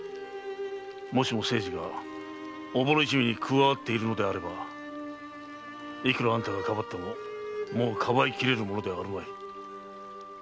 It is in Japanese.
もしも清次がおぼろ一味に加わっているのであればいくらあんたが庇ってももう庇いきれるものではあるまい。